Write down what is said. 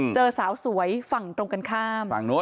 เจอสาวสวยฝั่งตรงกันข้าม